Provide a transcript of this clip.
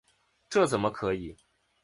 这怎么可以！